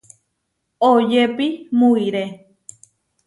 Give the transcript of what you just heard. Oyépi muʼiré.